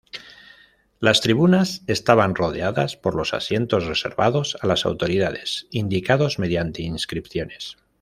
Las tribunas estaban rodeadas por los asientos reservados a las autoridades, indicados mediante inscripciones.